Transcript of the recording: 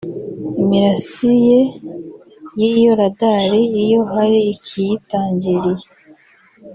Imirasiye y’iyo radari iyo hari ikiyitangiriye